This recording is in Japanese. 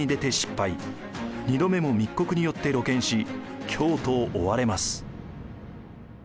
２度目も密告によって露見し京都を追われます。